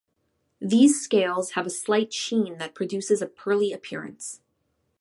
These scales have a slight sheen that produces a pearly appearance.